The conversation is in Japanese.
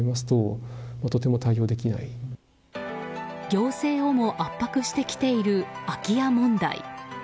行政をも圧迫してきている空き家問題。